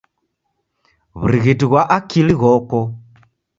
W'urighiti ghwa akili ghoko.